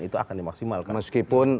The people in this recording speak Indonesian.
itu akan dimaksimalkan